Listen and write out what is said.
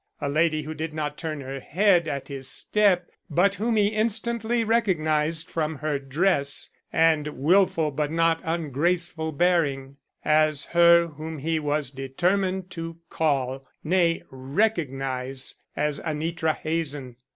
A lady who did not turn her head at his step, but whom he instantly recognized from her dress, and wilful but not ungraceful bearing, as her whom he was determined to call, nay recognize, as Anitra Hazen.